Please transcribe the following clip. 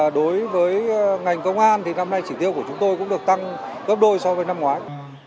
đối với ngành công an thì năm nay chỉ tiêu của chúng tôi cũng được tăng gấp đôi so với năm ngoái